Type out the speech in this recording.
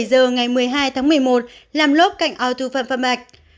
một mươi hai h ngày một mươi hai tháng một mươi một làm lốp cạnh ô tô phạm phạm bạch